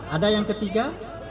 ada yang ketiga